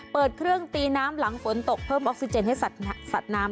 เปิดเครื่องตีน้ำหลังฝนตกเพิ่มออกซิเจนให้สัตว์น้ำ